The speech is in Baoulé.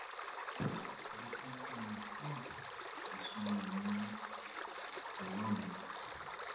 Desɛn klanhan kpaʼm be sɔnnin min fluwaʼn nun.